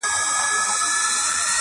کيسه په کابل کي ولوستل سوه،